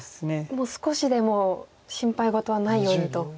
もう少しでも心配事はないようにと。